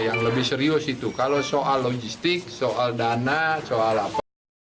yang lebih serius itu kalau soal logistik soal dana soal apa